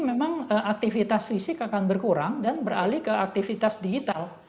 memang aktivitas fisik akan berkurang dan beralih ke aktivitas digital